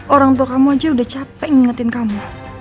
orang tua kamu aja udah capek ngingetin kamu